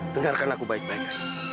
dengarkan aku baik baik